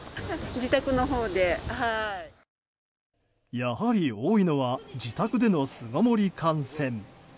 やはり多いのは自宅での巣ごもり観戦。